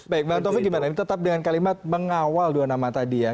baik bang taufik gimana ini tetap dengan kalimat mengawal dua nama tadi ya